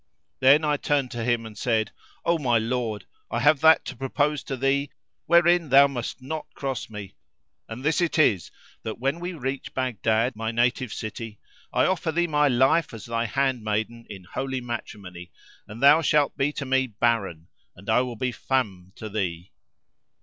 Then I turned to him and said, "O my lord, I have that to propose to thee wherein thou must not cross me; and this it is that, when we reach Baghdad, my native city, I offer thee my life as thy handmaiden in holy matrimony, and thou shalt be to me baron and I will be femme to thee."